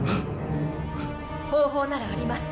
方法ならあります。